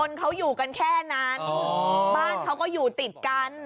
คนเขาอยู่กันแค่นั้นบ้านเขาก็อยู่ติดกัน